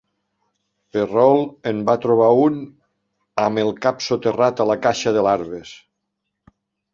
Perrault en va trobar un amb el cap soterrat a la caixa de larves.